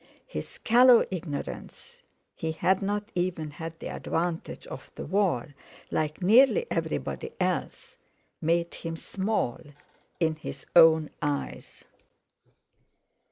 His callow ignorance—he had not even had the advantage of the War, like nearly everybody else!—made him small in his own eyes.